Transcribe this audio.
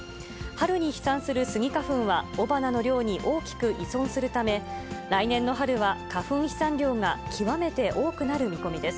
春に飛散するスギ花粉は雄花の量に大きく依存するため、来年の春は花粉飛散量が極めて多くなる見込みです。